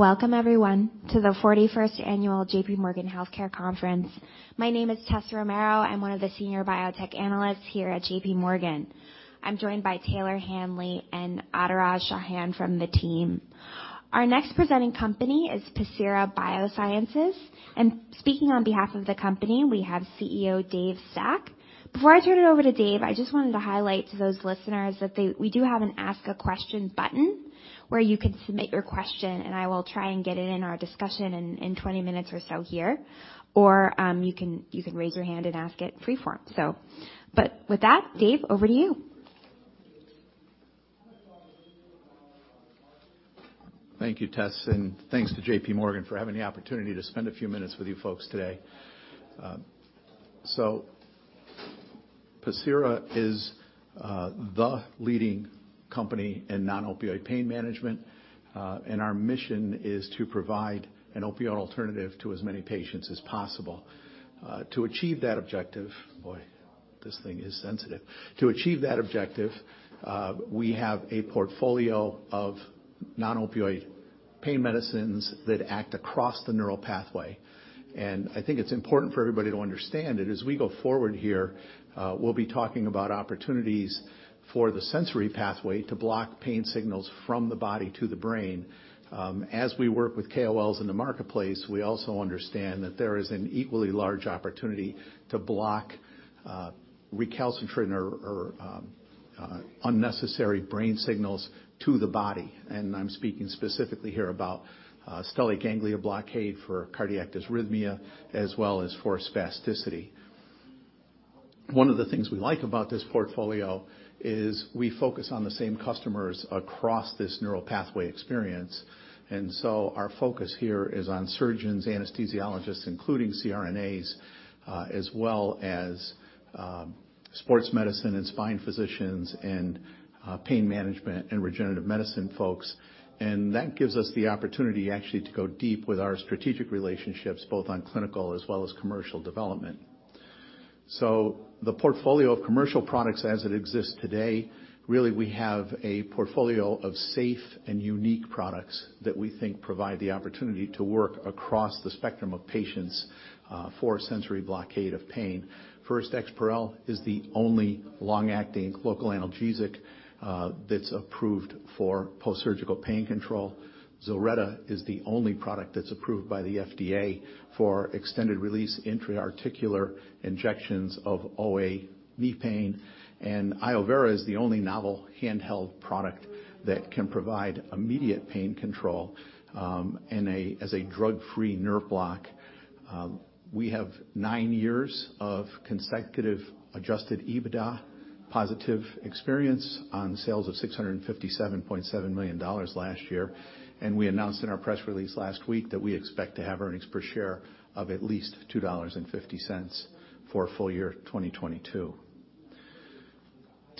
Welcome everyone to the 41st annual JPMorgan Healthcare Conference. My name is Tessa Romero. I'm one of the senior biotech analysts here at JPMorgan. I'm joined by Taylor Hanley and Adhiraj Chauhan from the team. Our next presenting company is Pacira BioSciences. Speaking on behalf of the company, we have CEO David Stack. Before I turn it over to David, I just wanted to highlight to those listeners that we do have an ask a question button where you can submit your question and I will try and get it in our discussion in 20 minutes or so here. You can raise your hand and ask it free form. With that, David, over to you. Thank you, Tessa, thanks to JPMorgan for having the opportunity to spend a few minutes with you folks today. Pacira is the leading company in non-opioid pain management, and our mission is to provide an opioid alternative to as many patients as possible. To achieve that objective. Boy, this thing is sensitive. To achieve that objective, we have a portfolio of non-opioid pain medicines that act across the neural pathway. I think it's important for everybody to understand that as we go forward here, we'll be talking about opportunities for the sensory pathway to block pain signals from the body to the brain. As we work with KOLs in the marketplace, we also understand that there is an equally large opportunity to block, recalcitrant or unnecessary brain signals to the body. I'm speaking specifically here about stellate ganglion blockade for cardiac dysrhythmia as well as for spasticity. One of the things we like about this portfolio is we focus on the same customers across this neural pathway experience. Our focus here is on surgeons, anesthesiologists, including CRNAs, as well as sports medicine and spine physicians and pain management and regenerative medicine folks. That gives us the opportunity actually to go deep with our strategic relationships, both on clinical as well as commercial development. The portfolio of commercial products as it exists today, really we have a portfolio of safe and unique products that we think provide the opportunity to work across the spectrum of patients for sensory blockade of pain. First, EXPAREL is the only long-acting local analgesic that's approved for post-surgical pain control. ZILRETTA is the only product that's approved by the FDA for extended-release intra-articular injections of OA knee pain. iovera is the only novel handheld product that can provide immediate pain control as a drug-free nerve block. We have 9 years of consecutive Adjusted EBITDA positive experience on sales of $657.7 million last year. We announced in our press release last week that we expect to have earnings per share of at least $2.50 for full year 2022.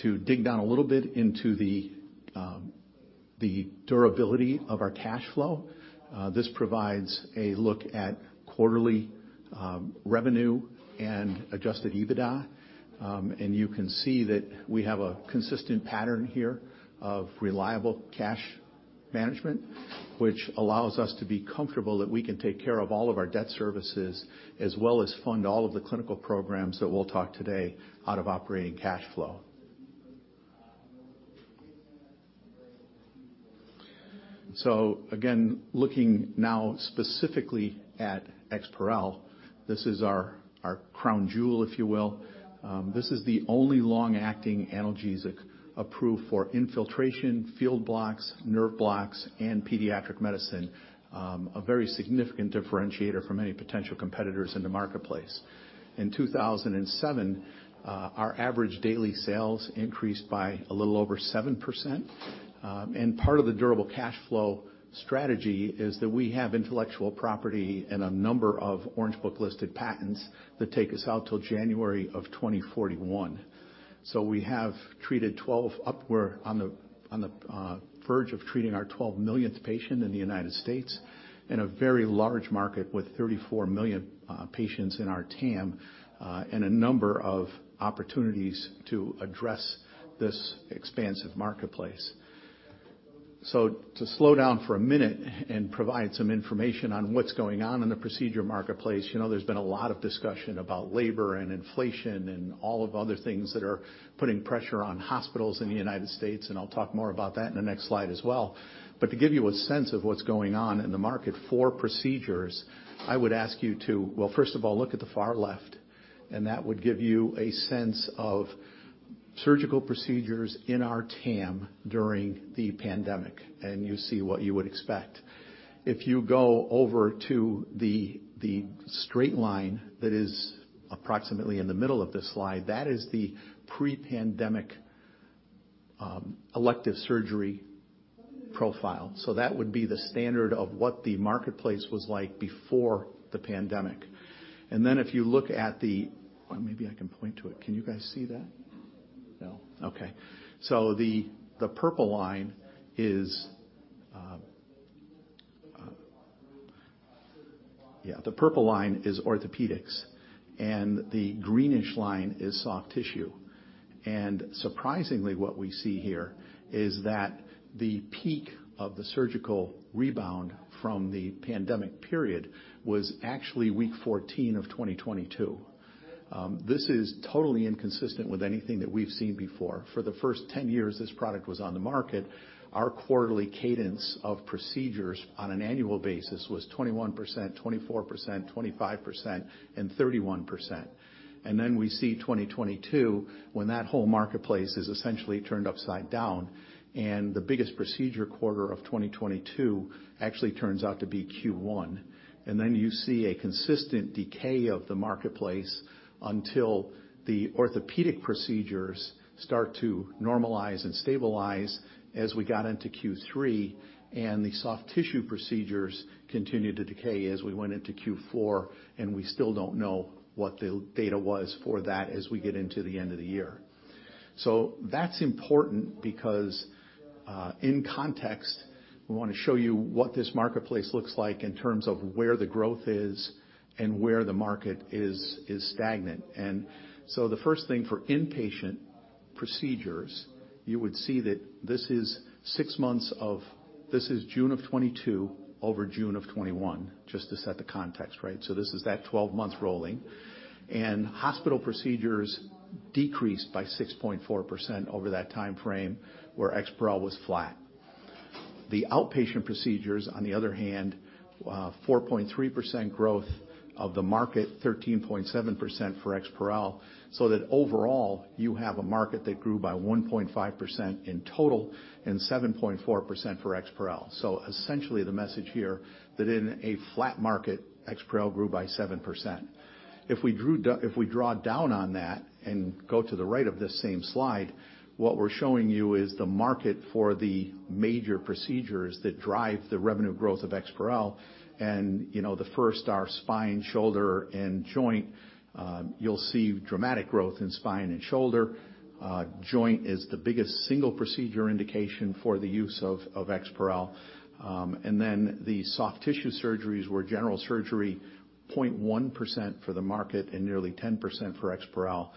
To dig down a little bit into the durability of our cash flow, this provides a look at quarterly revenue and Adjusted EBITDA. You can see that we have a consistent pattern here of reliable cash management, which allows us to be comfortable that we can take care of all of our debt services as well as fund all of the clinical programs that we'll talk today out of operating cash flow. Again, looking now specifically at EXPAREL, this is our crown jewel, if you will. This is the only long-acting analgesic approved for infiltration, field blocks, nerve blocks, and pediatric medicine. A very significant differentiator from any potential competitors in the marketplace. In 2007, our average daily sales increased by a little over 7%. Part of the durable cash flow strategy is that we have intellectual property and a number of Orange Book-listed patents that take us out till January of 2041. We have treated 12 upward on the verge of treating our 12th millionth patient in the United States in a very large market with 34 million patients in our TAM and a number of opportunities to address this expansive marketplace. To slow down for a minute and provide some information on what's going on in the procedure marketplace, you know, there's been a lot of discussion about labor and inflation and all of other things that are putting pressure on hospitals in the United States, and I'll talk more about that in the next slide as well. To give you a sense of what's going on in the market for procedures, I would ask you to, well, first of all, look at the far left, and that would give you a sense of surgical procedures in our TAM during the pandemic, and you see what you would expect. If you go over to the straight line that is approximately in the middle of this slide, that is the pre-pandemic elective surgery profile. That would be the standard of what the marketplace was like before the pandemic. Then if you look at the. Or maybe I can point to it. Can you guys see that? No. Okay. The purple line is, Yeah, the purple line is orthopedics, and the greenish line is soft tissue. Surprisingly, what we see here is that the peak of the surgical rebound from the pandemic period was actually week 14 of 2022. This is totally inconsistent with anything that we've seen before. For the first 10 years this product was on the market, our quarterly cadence of procedures on an annual basis was 21%, 24%, 25%, and 31%. Then we see 2022 when that whole marketplace is essentially turned upside down, and the biggest procedure quarter of 2022 actually turns out to be Q1. You see a consistent decay of the marketplace until the orthopedic procedures start to normalize and stabilize as we got into Q3, and the soft tissue procedures continued to decay as we went into Q4, and we still don't know what the data was for that as we get into the end of the year. That's important because in context, we wanna show you what this marketplace looks like in terms of where the growth is and where the market is stagnant. The first thing for inpatient procedures, you would see that this is June of 2022 over June of 2021, just to set the context, right? This is that 12 months rolling. Hospital procedures decreased by 6.4% over that timeframe where EXPAREL was flat. The outpatient procedures, on the other hand, 4.3% growth of the market, 13.7% for EXPAREL, that overall, you have a market that grew by 1.5% in total and 7.4% for EXPAREL. Essentially the message here that in a flat market, EXPAREL grew by 7%. If we draw down on that and go to the right of this same slide, what we're showing you is the market for the major procedures that drive the revenue growth of EXPAREL and, you know, the first are spine, shoulder, and joint. You'll see dramatic growth in spine and shoulder. Joint is the biggest single procedure indication for the use of EXPAREL. The soft tissue surgeries were general surgery, 0.1% for the market and nearly 10% for EXPAREL,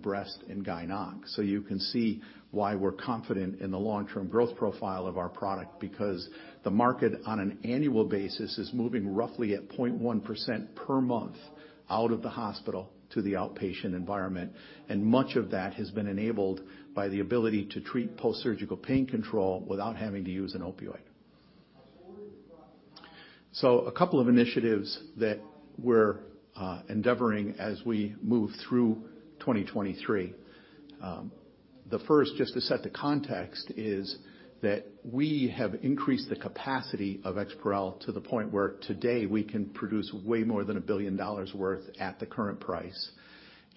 breast and gyn onc. You can see why we're confident in the long-term growth profile of our product, because the market on an annual basis is moving roughly at 0.1% per month out of the hospital to the outpatient environment. Much of that has been enabled by the ability to treat post-surgical pain control without having to use an opioid. A couple of initiatives that we're endeavoring as we move through 2023. The first, just to set the context, is that we have increased the capacity of EXPAREL to the point where today we can produce way more than $1 billion worth at the current price.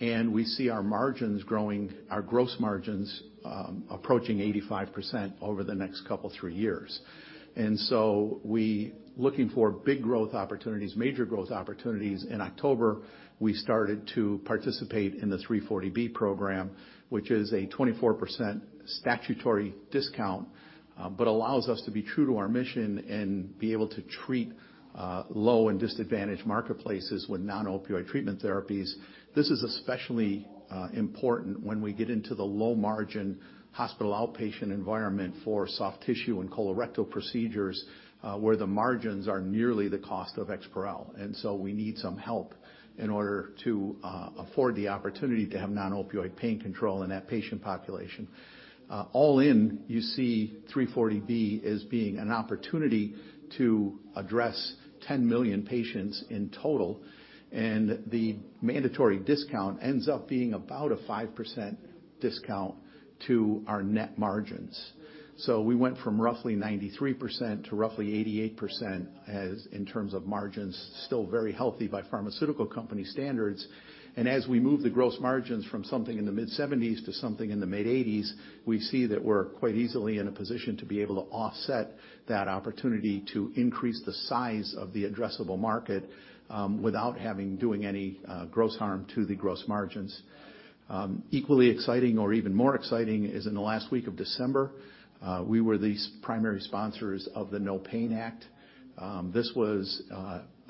We see our margins growing, our gross margins approaching 85% over the next couple three years. We looking for big growth opportunities, major growth opportunities. In October, we started to participate in the 340B Program, which is a 24% statutory discount, but allows us to be true to our mission and be able to treat low and disadvantaged marketplaces with non-opioid treatment therapies. This is especially important when we get into the low margin hospital outpatient environment for soft tissue and colorectal procedures, where the margins are nearly the cost of EXPAREL. We need some help in order to afford the opportunity to have non-opioid pain control in that patient population. All in, you see 340B as being an opportunity to address 10 million patients in total, and the mandatory discount ends up being about a 5% discount to our net margins. We went from roughly 93% to roughly 88% as in terms of margins, still very healthy by pharmaceutical company standards. As we move the gross margins from something in the mid-70s to something in the mid-80s, we see that we're quite easily in a position to be able to offset that opportunity to increase the size of the addressable market without having doing any gross harm to the gross margins. Equally exciting or even more exciting is in the last week of December, we were these primary sponsors of the NOPAIN Act. This was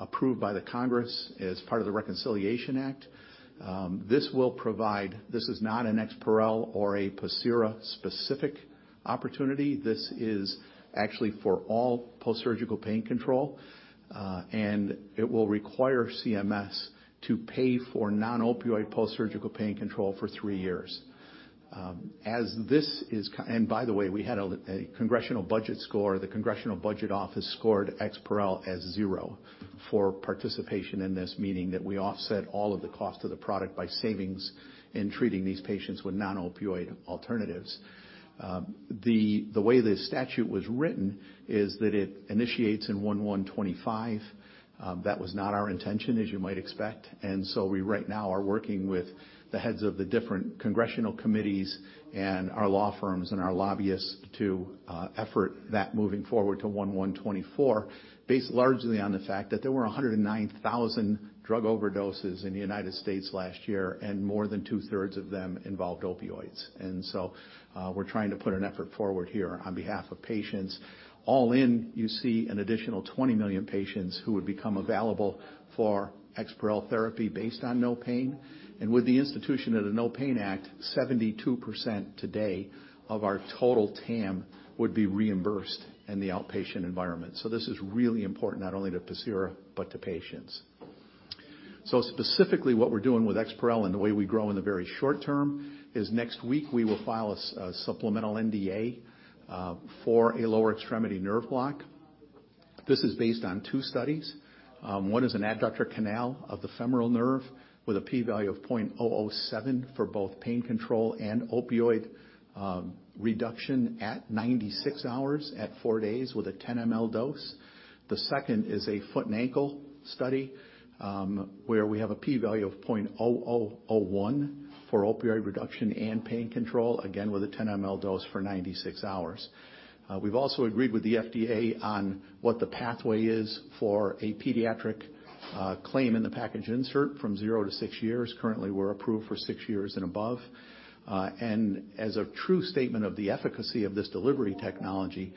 approved by the Congress as part of the Reconciliation Act. This is not an EXPAREL or a Pacira specific opportunity. This is actually for all post-surgical pain control, and it will require CMS to pay for non-opioid post-surgical pain control for 3 years. By the way, we had a congressional budget score. The Congressional Budget Office scored EXPAREL as zero for participation in this, meaning that we offset all of the cost of the product by savings in treating these patients with non-opioid alternatives. The way the statute was written is that it initiates in 1/1/2025. That was not our intention, as you might expect. We right now are working with the heads of the different Congressional committees and our law firms and our lobbyists to effort that moving forward to 1/1/2024, based largely on the fact that there were 109,000 drug overdoses in the United States last year, and more than two-thirds of them involved opioids. We're trying to put an effort forward here on behalf of patients. All in, you see an additional 20 million patients who would become available for EXPAREL therapy based on NOPAIN. With the institution of the NOPAIN Act, 72% today of our total TAM would be reimbursed in the outpatient environment. This is really important, not only to Pacira, but to patients. Specifically, what we're doing with EXPAREL and the way we grow in the very short term is next week we will file a supplemental NDA for a lower extremity nerve block. This is based on two studies. One is an adductor canal of the femoral nerve with a p-value of 0.007 for both pain control and opioid reduction at 96 hours at four days with a 10 ml dose. The second is a foot and ankle study, where we have a p-value of 0.0001 for opioid reduction and pain control, again with a 10 ml dose for 96 hours. We've also agreed with the FDA on what the pathway is for a pediatric claim in the package insert from zero to six years. Currently, we're approved for 6 years and above. As a true statement of the efficacy of this delivery technology,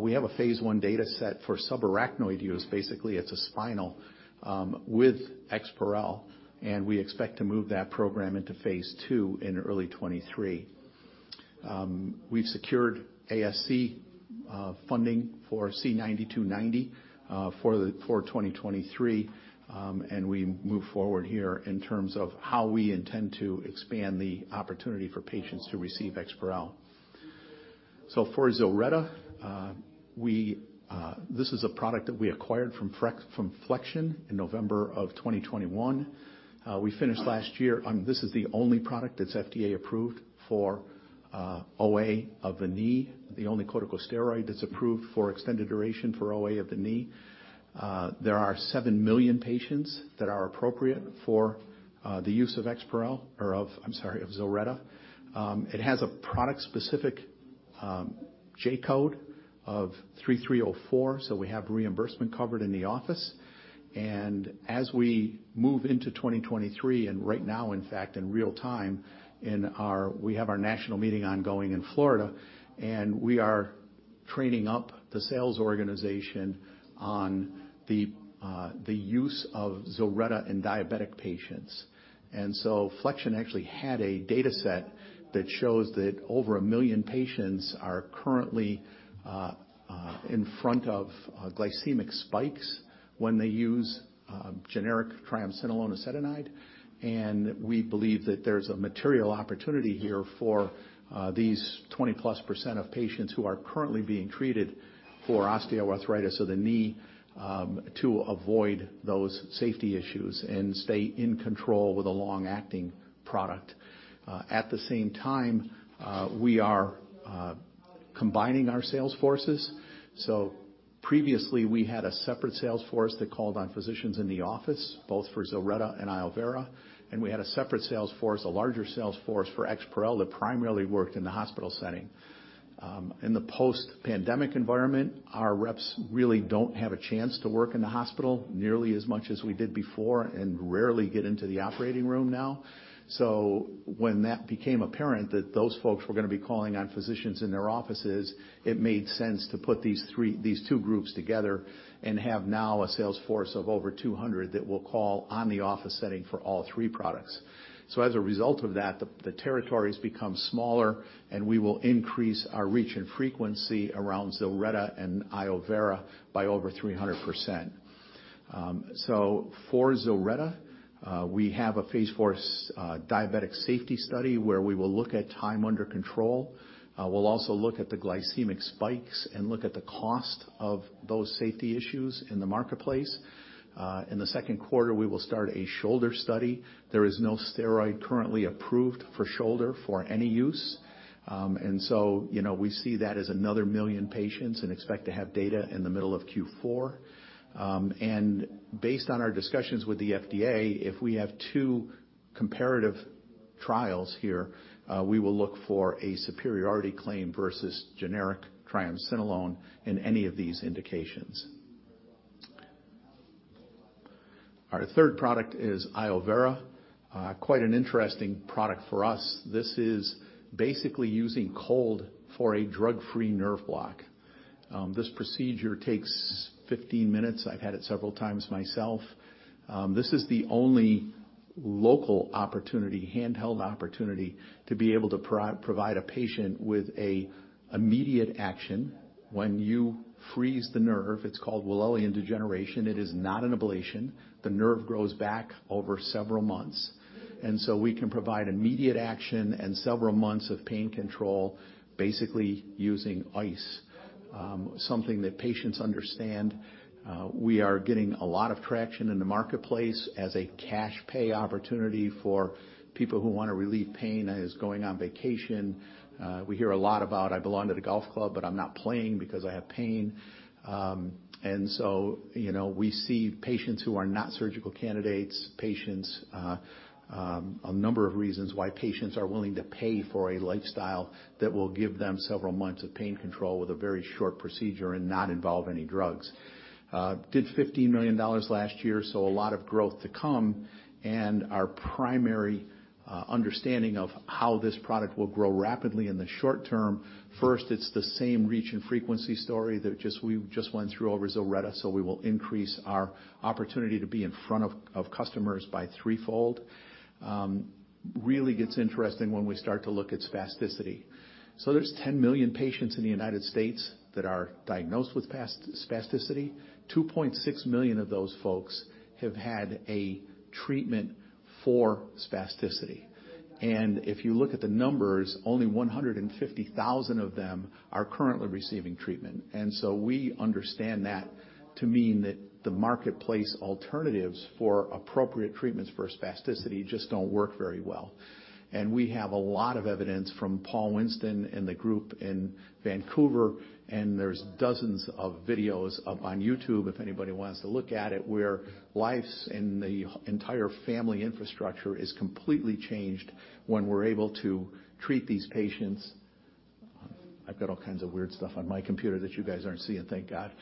we have a phase 1 data set for subarachnoid use. Basically, it's a spinal, with EXPAREL, and we expect to move that program into phase 2 in early 2023. We've secured ASC funding for C9290 for 2023, and we move forward here in terms of how we intend to expand the opportunity for patients to receive EXPAREL. For ZILRETTA, we, this is a product that we acquired from Flexion in November of 2021. We finished last year. This is the only product that's FDA-approved for OA of the knee, the only corticosteroid that's approved for extended duration for OA of the knee. There are 7 million patients that are appropriate for the use of EXPAREL or of, I'm sorry, of ZILRETTA. It has a product-specific J code of J3304, so we have reimbursement covered in the office. As we move into 2023, and right now, in fact, we have our national meeting ongoing in Florida, and we are training up the sales organization on the use of ZILRETTA in diabetic patients. Flexion actually had a data set that shows that over a million patients are currently in front of glycemic spikes when they use generic triamcinolone acetonide, and we believe that there's a material opportunity here for these 20+% of patients who are currently being treated for osteoarthritis of the knee to avoid those safety issues and stay in control with a long-acting product. At the same time, we are combining our sales forces. Previously, we had a separate sales force that called on physicians in the office, both for ZILRETTA and iovera, and we had a separate sales force, a larger sales force for EXPAREL that primarily worked in the hospital setting. In the post-pandemic environment, our reps really don't have a chance to work in the hospital nearly as much as we did before and rarely get into the operating room now. When that became apparent that those folks were gonna be calling on physicians in their offices, it made sense to put these two groups together and have now a sales force of over 200 that will call on the office setting for all three products. As a result of that, the territories become smaller, and we will increase our reach and frequency around ZILRETTA and iovera by over 300%. For ZILRETTA, we have a Phase 4 diabetic safety study where we will look at time under control. We'll also look at the glycemic spikes and look at the cost of those safety issues in the marketplace. In the second quarter, we will start a shoulder study. There is no steroid currently approved for shoulder for any use. You know, we see that as another 1,000,000 patients and expect to have data in the middle of Q4. Based on our discussions with the FDA, if we have two comparative trials here, we will look for a superiority claim versus generic triamcinolone in any of these indications. Our third product is Iovera, quite an interesting product for us. This is basically using cold for a drug-free nerve block. This procedure takes 15 minutes. I've had it several times myself. This is the only local opportunity, handheld opportunity to be able to provide a patient with a immediate action. When you freeze the nerve, it's called Wallerian degeneration. It is not an ablation. The nerve grows back over several months. We can provide immediate action and several months of pain control basically using ice, something that patients understand. We are getting a lot of traction in the marketplace as a cash pay opportunity for people who wanna relieve pain, is going on vacation. We hear a lot about, "I belong to the golf club, but I'm not playing because I have pain." You know, we see patients who are not surgical candidates, patients, a number of reasons why patients are willing to pay for a lifestyle that will give them several months of pain control with a very short procedure and not involve any drugs. Did $50 million last year, a lot of growth to come. Our primary understanding of how this product will grow rapidly in the short term, first, it's the same reach and frequency story that we just went through over ZILRETTA, we will increase our opportunity to be in front of customers by threefold. Really gets interesting when we start to look at spasticity. There's 10 million patients in the United States that are diagnosed with spasticity. 2.6 million of those folks have had a treatment for spasticity. If you look at the numbers, only 150,000 of them are currently receiving treatment. We understand that to mean that the marketplace alternatives for appropriate treatments for spasticity just don't work very well. We have a lot of evidence from Paul Winston and the group in Vancouver, and there's dozens of videos up on YouTube if anybody wants to look at it, where lives and the entire family infrastructure is completely changed when we're able to treat these patients. I've got all kinds of weird stuff on my computer that you guys aren't seeing, thank God.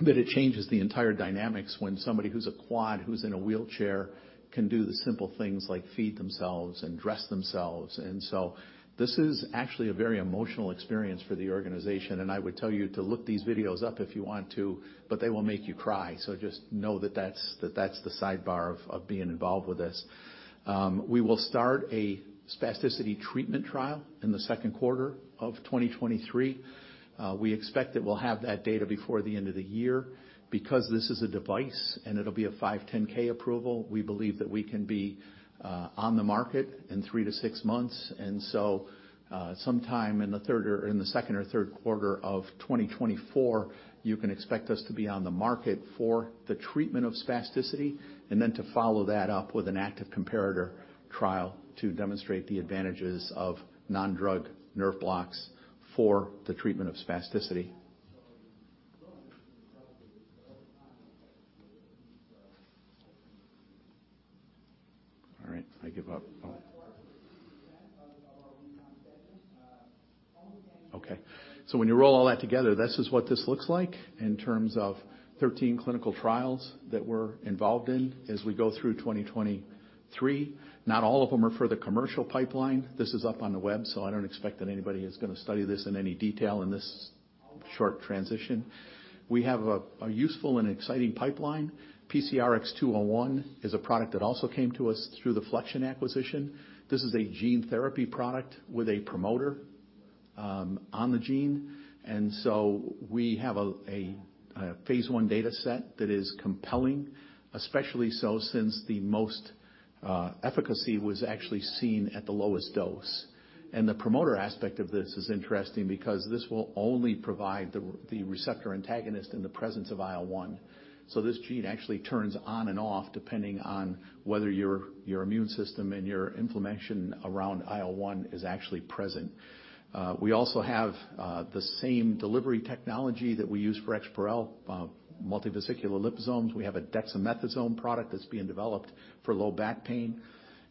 It changes the entire dynamics when somebody who's a quad, who's in a wheelchair can do the simple things like feed themselves and dress themselves. This is actually a very emotional experience for the organization, and I would tell you to look these videos up if you want to, but they will make you cry. Just know that that's the sidebar of being involved with this. We will start a spasticity treatment trial in the second quarter of 2023. We expect that we'll have that data before the end of the year. Because this is a device, and it'll be a 510(k) approval, we believe that we can be on the market in three to six months. Sometime in the third or in the second or third quarter of 2024, you can expect us to be on the market for the treatment of spasticity, and then to follow that up with an active comparator trial to demonstrate the advantages of non-drug nerve blocks for the treatment of spasticity. All right, I give up. Oh. Okay. When you roll all that together, this is what this looks like in terms of 13 clinical trials that we're involved in as we go through 2023. Not all of them are for the commercial pipeline. This is up on the web, so I don't expect that anybody is gonna study this in any detail in this short transition. We have a useful and exciting pipeline. PCRX-201 is a product that also came to us through the Flexion acquisition. This is a gene therapy product with a promoter on the gene. We have a Phase 1 data set that is compelling, especially so since the most efficacy was actually seen at the lowest dose. The promoter aspect of this is interesting because this will only provide the receptor antagonist in the presence of IL-1. This gene actually turns on and off depending on whether your immune system and your inflammation around IL-1 is actually present. We also have the same delivery technology that we use for EXPAREL, multivesicular liposomes. We have a dexamethasone product that's being developed for low back pain.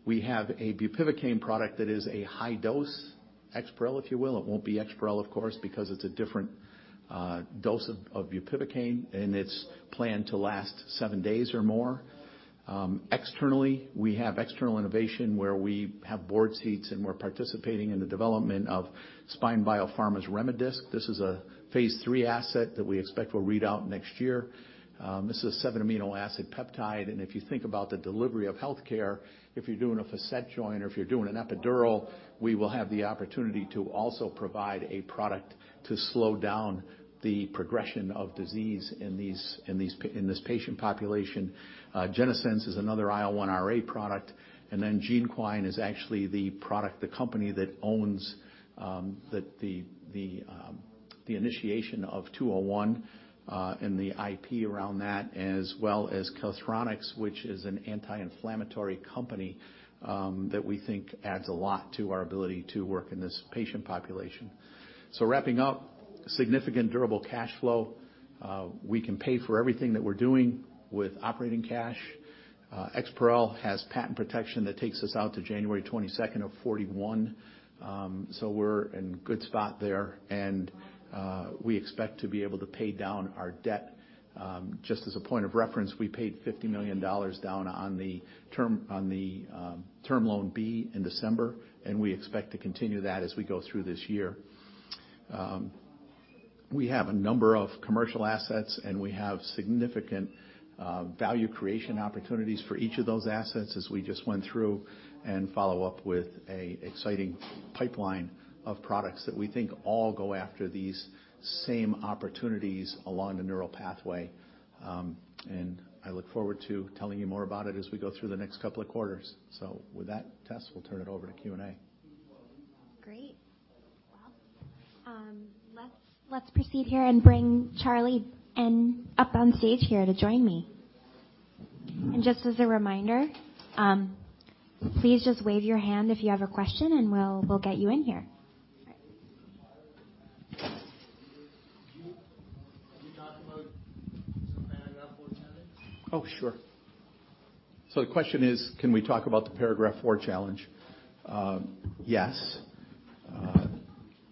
We have a bupivacaine product that is a high dose EXPAREL, if you will. It won't be EXPAREL, of course, because it's a different dose of bupivacaine, and it's planned to last 7 days or more. Externally, we have external innovation where we have board seats, and we're participating in the development of Spine BioPharma's Remedisc. This is a Phase 3 asset that we expect will read out next year. This is 7 amino acid peptide. If you think about the delivery of healthcare, if you're doing a facet joint or if you're doing an epidural, we will have the opportunity to also provide a product to slow down the progression of disease in this patient population. GeneSense is another IL-1Ra product. GeneQuine is actually the product the company that owns the initiation of PCRX-201 and the IP around that, as well as Keltrix, which is an anti-inflammatory company that we think adds a lot to our ability to work in this patient population. Wrapping up, significant durable cash flow. We can pay for everything that we're doing with operating cash. EXPAREL has patent protection that takes us out to January 22nd of 2041. We're in good spot there. We expect to be able to pay down our debt. Just as a point of reference, we paid $50 million down on the Term Loan B in December, and we expect to continue that as we go through this year. We have a number of commercial assets, and we have significant value creation opportunities for each of those assets as we just went through and follow up with a exciting pipeline of products that we think all go after these same opportunities along the neural pathway. I look forward to telling you more about it as we go through the next couple of quarters. With that, Tessa, we'll turn it over to Q&A. Great. Well, let's proceed here and bring Charlie in up on stage here to join me. Just as a reminder, please just wave your hand if you have a question, and we'll get you in here. All right. Oh, sure. The question is: Can we talk about the Paragraph IV challenge? Yes.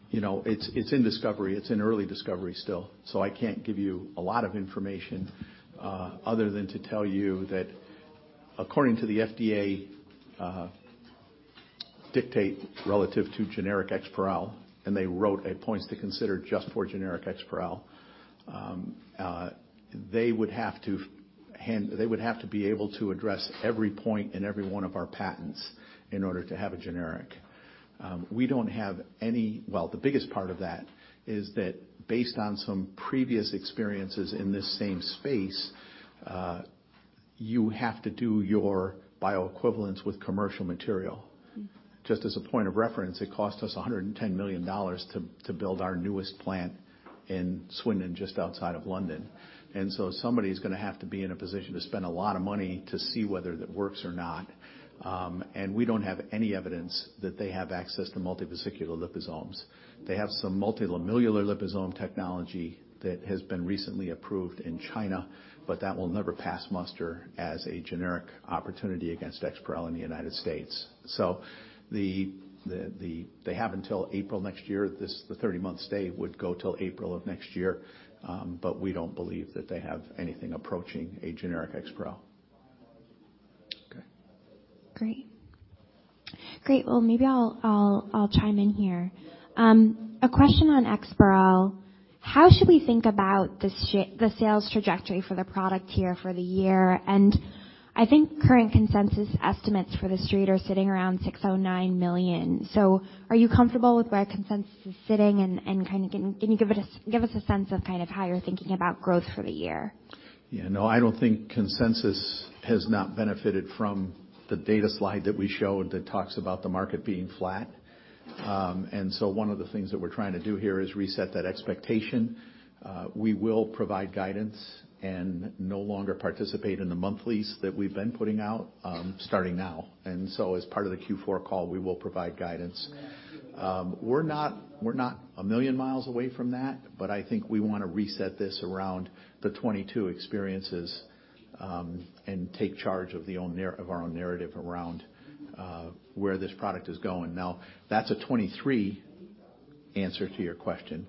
You know, it's in discovery. It's in early discovery still, so I can't give you a lot of information, other than to tell you that according to the FDA, Dictate relative to generic EXPAREL, and they wrote a points to consider just for generic EXPAREL. They would have to be able to address every point and every one of our patents in order to have a generic. Well, the biggest part of that is that based on some previous experiences in this same space, you have to do your bioequivalence with commercial material. Mm-hmm. Just as a point of reference, it cost us $110 million to build our newest plant in Swindon, just outside of London. Somebody's gonna have to be in a position to spend a lot of money to see whether that works or not. We don't have any evidence that they have access to multivesicular liposomes. They have some multilamellar liposome technology that has been recently approved in China, that will never pass muster as a generic opportunity against EXPAREL in the United States. They have until April next year. This, the 30-month stay would go till April of next year. We don't believe that they have anything approaching a generic EXPAREL. Okay, great. Great. Well, maybe I'll chime in here. A question on EXPAREL. How should we think about the sales trajectory for the product here for the year? I think current consensus estimates for the street are sitting around $609 million. Are you comfortable with where consensus is sitting and kinda can you give us a sense of kind of how you're thinking about growth for the year? Yeah, I don't think consensus has not benefited from the data slide that we showed that talks about the market being flat. One of the things that we're trying to do here is reset that expectation. We will provide guidance and no longer participate in the monthlies that we've been putting out, starting now. As part of the Q4 call, we will provide guidance. We're not a million miles away from that, but I think we want to reset this around the 2022 experiences and take charge of our own narrative around where this product is going. That's a 2023 answer to your question.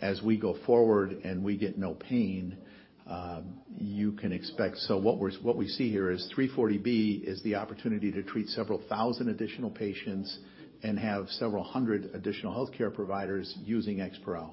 As we go forward and we get NOPAIN, you can expect... What we see here is 340B is the opportunity to treat several thousand additional patients and have several hundred additional healthcare providers using EXPAREL.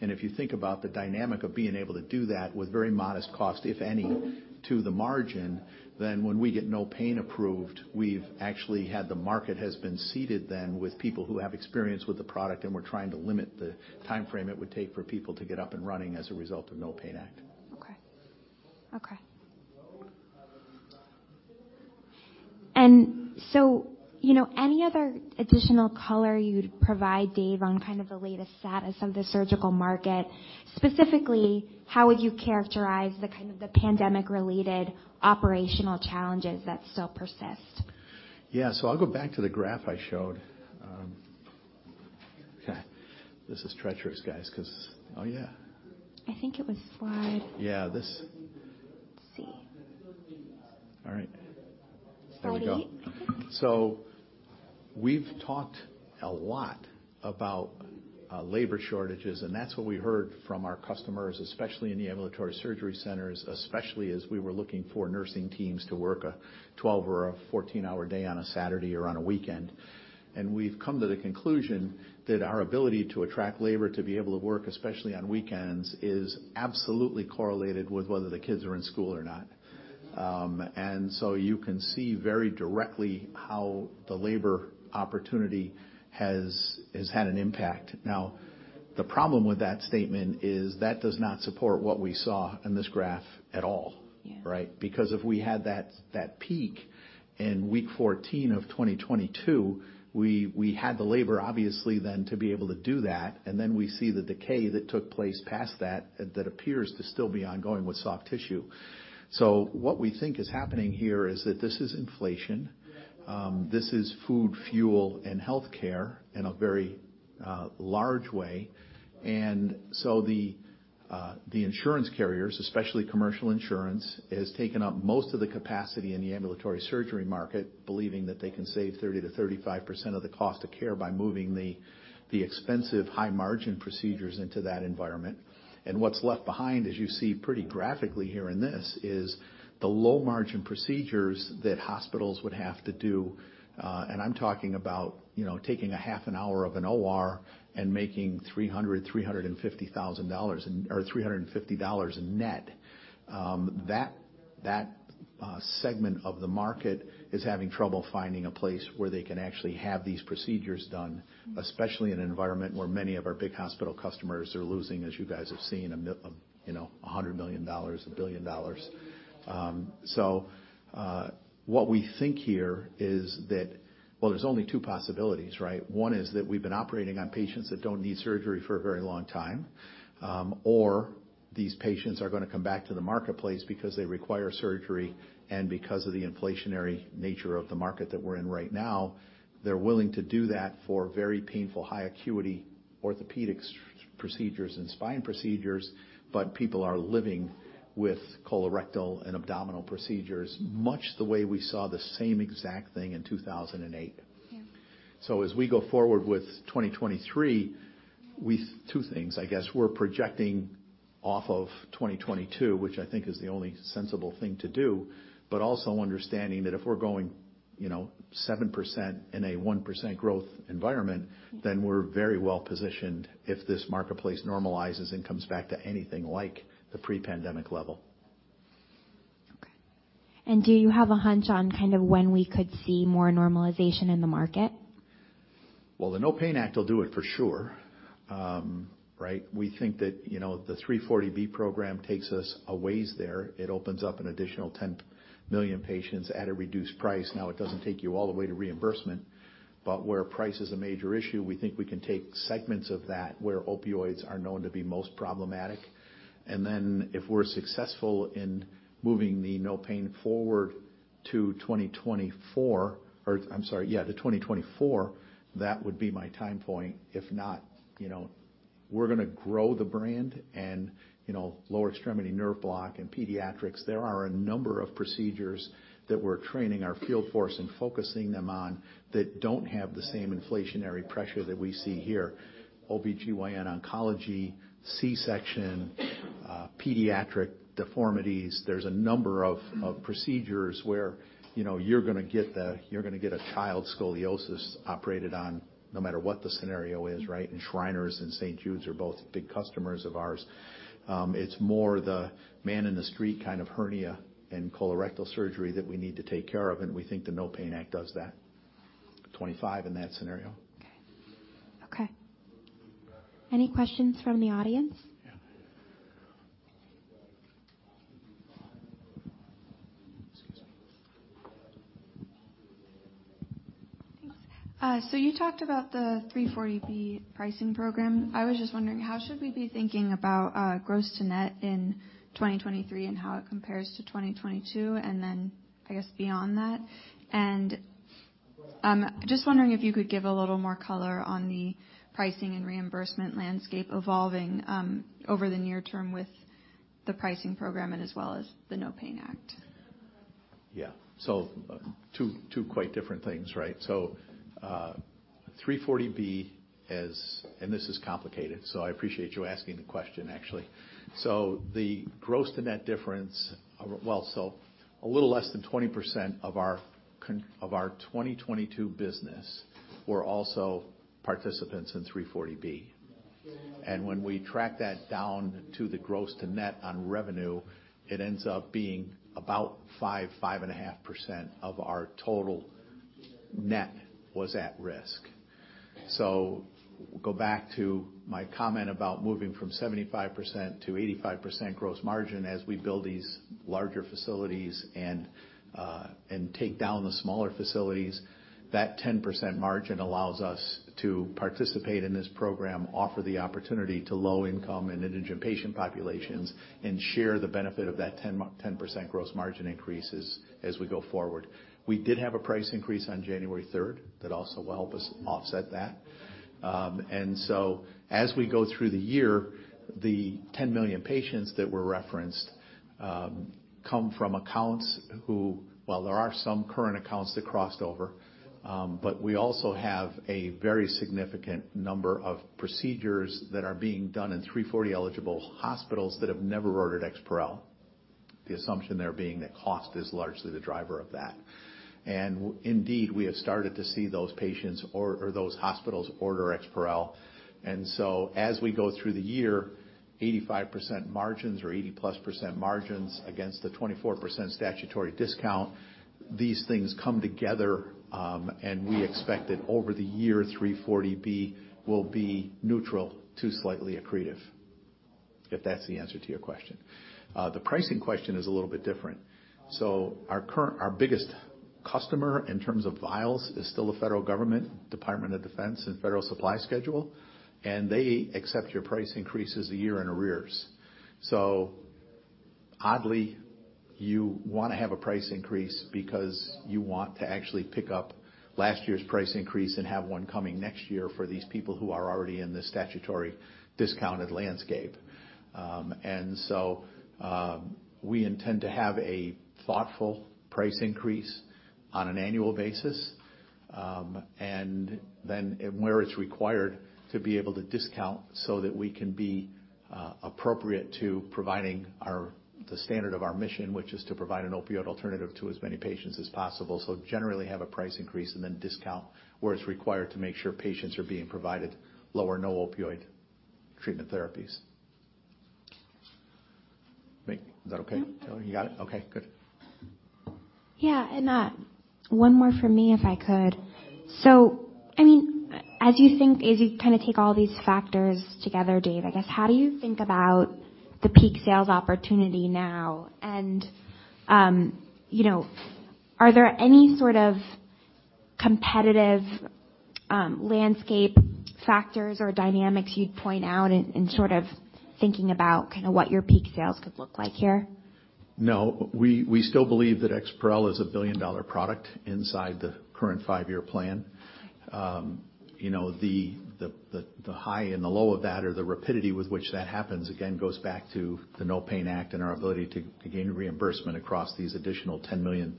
If you think about the dynamic of being able to do that with very modest cost, if any, to the margin, then when we get NOPAIN Act approved, we've actually had the market has been seeded then with people who have experience with the product and we're trying to limit the timeframe it would take for people to get up and running as a result of NOPAIN Act. Okay. Okay. you know, any other additional color you'd provide, Dave, on kind of the latest status of the surgical market? Specifically, how would you characterize the kind of the pandemic-related operational challenges that still persist? Yeah. I'll go back to the graph I showed. Okay, this is treacherous, guys, 'cause... Oh, yeah. I think it was. Yeah. Let's see. All right. Forty-eight. There we go. We've talked a lot about labor shortages, and that's what we heard from our customers, especially in the ambulatory surgery centers, especially as we were looking for nursing teams to work a 12 or a 14-hour day on a Saturday or on a weekend. We've come to the conclusion that our ability to attract labor to be able to work, especially on weekends, is absolutely correlated with whether the kids are in school or not. You can see very directly how the labor opportunity has had an impact. The problem with that statement is that does not support what we saw in this graph at all. Yeah. Right? Because if we had that peak in week 14 of 2022, we had the labor obviously then to be able to do that, and then we see the decay that took place past that appears to still be ongoing with soft tissue. What we think is happening here is that this is inflation, this is food, fuel, and healthcare in a very large way. The insurance carriers, especially commercial insurance, has taken up most of the capacity in the ambulatory surgery market, believing that they can save 30%-35% of the cost of care by moving the expensive high-margin procedures into that environment. What's left behind, as you see pretty graphically here in this, is the low-margin procedures that hospitals would have to do, and I'm talking about, you know, taking a half an hour of an OR and making $300,000, $350,000 in... or $350 net. That segment of the market is having trouble finding a place where they can actually have these pr ocedures done, especially in an environment where many of our big hospital customers are losing, as you guys have seen, you know, $100 million, $1 billion. What we think here is that... Well, there's only two possibilities, right? One is that we've been operating on patients that don't need surgery for a very long time, or these patients are gonna come back to the marketplace because they require surgery, and because of the inflationary nature of the market that we're in right now, they're willing to do that for very painful, high acuity orthopedics procedures and spine procedures, but people are living with colorectal and abdominal procedures, much the way we saw the same exact thing in 2008. Yeah. As we go forward with 2023, we two things, I guess. We're projecting off of 2022, which I think is the only sensible thing to do, but also understanding that if we're going, you know, 7% in a 1% growth environment... Mm-hmm. We're very well-positioned if this marketplace normalizes and comes back to anything like the pre-pandemic level. Okay. Do you have a hunch on kind of when we could see more normalization in the market? The NOPAIN Act will do it for sure. We think that, you know, the 340B Program takes us a ways there. It opens up an additional 10 million patients at a reduced price. It doesn't take you all the way to reimbursement, but where price is a major issue, we think we can take segments of that where opioids are known to be most problematic. If we're successful in moving the NOPAIN forward to 2024, yeah, to 2024, that would be my time point. You know, we're gonna grow the brand and, you know, lower extremity nerve block and pediatrics. There are a number of procedures that we're training our field force and focusing them on that don't have the same inflationary pressure that we see here. OBGYN, oncology, C-section, pediatric deformities. There's a number of procedures where, you know, you're gonna get a child's scoliosis operated on no matter what the scenario is, right? Shriners and St. Jude's are both big customers of ours. It's more the man in the street kind of hernia and colorectal surgery that we need to take care of, and we think the NOPAIN Act does that. 2025 in that scenario. Okay. Okay. Any questions from the audience? Yeah. Thanks. You talked about the 340B Program pricing program. I was just wondering, how should we be thinking about gross to net in 2023 and how it compares to 2022? I guess beyond that, just wondering if you could give a little more color on the pricing and reimbursement landscape evolving over the near term with the pricing program as well as the NOPAIN Act. Yeah. Two quite different things, right? 340B Program is and this is complicated, so I appreciate you asking the question, actually. The gross to net difference... A little less than 20% of our of our 2022 business were also participants in 340B Program. When we track that down to the gross to net on revenue, it ends up being about 5.5% of our total net was at risk. Go back to my comment about moving from 75% to 85% gross margin as we build these larger facilities and take down the smaller facilities. That 10% margin allows us to participate in this program, offer the opportunity to low income and indigent patient populations, and share the benefit of that 10% gross margin increases as we go forward. We did have a price increase on January 3rd that also will help us offset that. As we go through the year, the 10 million patients that were referenced come from accounts who while there are some current accounts that crossed over. We also have a very significant number of procedures that are being done in 340B eligible hospitals that have never ordered EXPAREL. The assumption there being that cost is largely the driver of that. Indeed, we have started to see those patients or those hospitals order EXPAREL. As we go through the year, 85% margins or 80+% margins against the 24% statutory discount, these things come together, and we expect that over the year, 340B Program will be neutral to slightly accretive, if that's the answer to your question. The pricing question is a little bit different. Our biggest customer in terms of vials is still the federal government, Department of Defense and Federal Supply Schedule. They accept your price increases 1 year in arrears. Oddly, you wanna have a price increase because you want to actually pick up last year's price increase and have one coming next year for these people who are already in the statutory discounted landscape. We intend to have a thoughtful price increase on an annual basis, and then where it's required to be able to discount so that we can be appropriate to providing the standard of our mission, which is to provide an opioid alternative to as many patients as possible. Generally have a price increase and then discount where it's required to make sure patients are being provided low or no opioid treatment therapies. Is that okay? Yep. You got it? Okay, good. Yeah. One more from me, if I could. I mean, as you kinda take all these factors together, Dave, I guess, how do you think about the peak sales opportunity now? You know, are there any sort of competitive landscape factors or dynamics you'd point out in sort of thinking about kinda what your peak sales could look like here? No. We still believe that EXPAREL is a billion-dollar product inside the current 5-year plan. You know, the high and the low of that or the rapidity with which that happens, again, goes back to the NOPAIN Act and our ability to gain reimbursement across these additional 10 million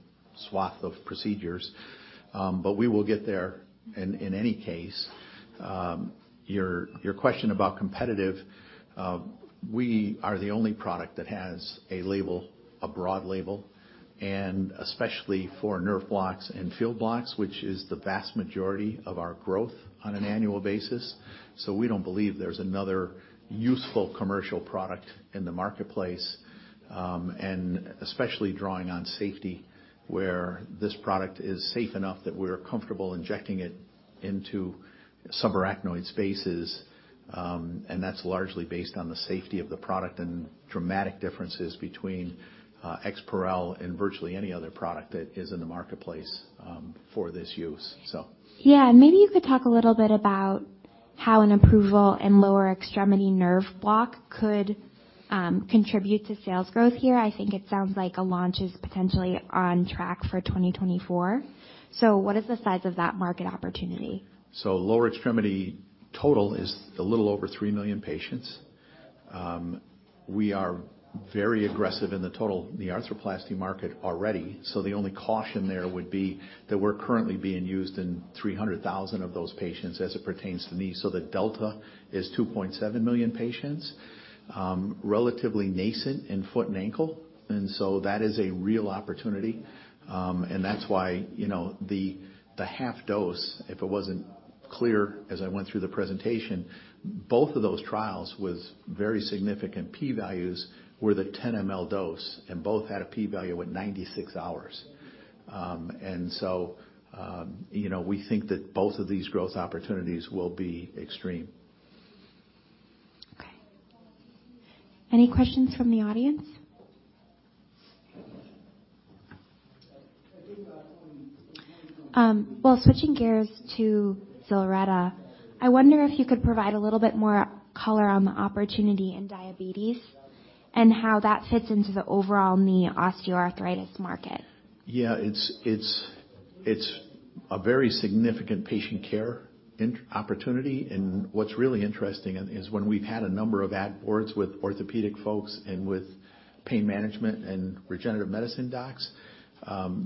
swath of procedures. We will get there. In any case, your question about competitive, we are the only product that has a label, a broad label, and especially for nerve blocks and field blocks, which is the vast majority of our growth on an annual basis. We don't believe there's another useful commercial product in the marketplace. Especially drawing on safety, where this product is safe enough that we're comfortable injecting it into subarachnoid spaces, and that's largely based on the safety of the product and dramatic differences between EXPAREL and virtually any other product that is in the marketplace, for this use. Maybe you could talk a little bit about how an approval in lower extremity nerve block could contribute to sales growth here. I think it sounds like a launch is potentially on track for 2024. What is the size of that market opportunity? Lower extremity total is a little over 3 million patients. We are very aggressive in the total, the arthroplasty market already. The only caution there would be that we're currently being used in 300,000 of those patients as it pertains to knee. The delta is 2.7 million patients. Relatively nascent in foot and ankle, and so that is a real opportunity. That's why, you know, the half dose, if it wasn't clear as I went through the presentation, both of those trials was very significant. P-values were the 10 ml dose, and both had a p-value at 96 hours. You know, we think that both of these growth opportunities will be extreme. Okay. Any questions from the audience? Switching gears to ZILRETTA, I wonder if you could provide a little bit more color on the opportunity in diabetes and how that fits into the overall knee osteoarthritis market. Yeah, it's a very significant patient care opportunity. What's really interesting is when we've had a number of ad boards with orthopedic folks and with pain management and regenerative medicine docs,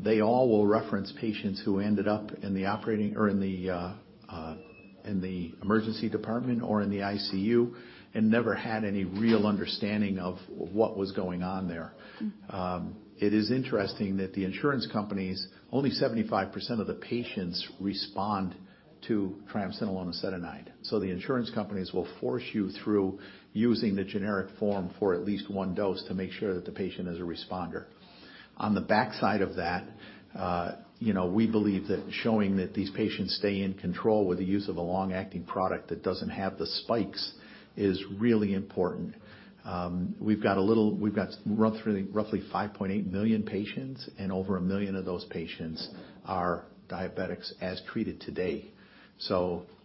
they all will reference patients who ended up in the operating or in the emergency department or in the ICU and never had any real understanding of what was going on there. It is interesting that the insurance companies, only 75% of the patients respond to triamcinolone acetonide. The insurance companies will force you through using the generic form for at least 1 dose to make sure that the patient is a responder. On the backside of that, you know, we believe that showing that these patients stay in control with the use of a long-acting product that doesn't have the spikes is really important. We've got $5.8 million patients, and over $1 million of those patients are diabetics as treated today.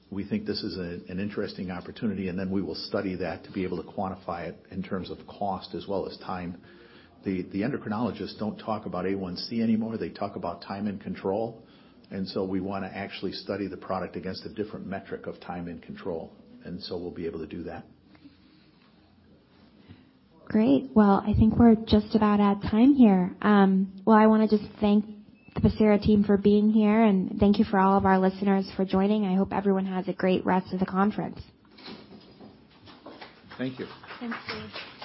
We think this is an interesting opportunity, and then we will study that to be able to quantify it in terms of cost as well as time. The endocrinologists don't talk about A1C anymore. They talk about time in control. We wanna actually study the product against a different metric of time in control, and so we'll be able to do that. Great. Well, I think we're just about out of time here. I wanna just thank the Pacira team for being here, and thank you for all of our listeners for joining. I hope everyone has a great rest of the conference. Thank you. Thank you.